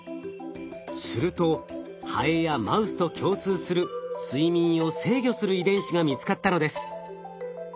するとハエやマウスと共通する睡眠を制御する遺伝子が見つかったのです。